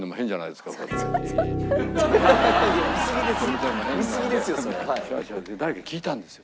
で誰かに聞いたんですよ。